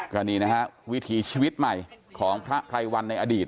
ก็นี่นะฮะวิถีชีวิตใหม่ของพระไพรวัลในอดีต